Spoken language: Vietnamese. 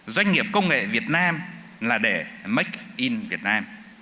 doanh nghiệp công nghệ việt nam là để make in việt nam